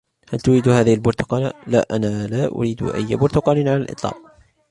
" هل تريد هذهِ البرتقالة ؟"" لا, أنا لا أريد أي برتقال على الإطلاق. "